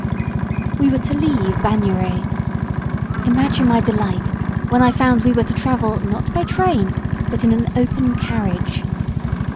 We were to leave Bagnères. Imagine my delight when I found we were to travel not by train, but in an open carriage.